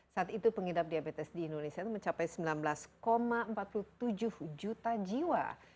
saat itu pengidap diabetes di indonesia itu mencapai sembilan belas empat puluh tujuh juta jiwa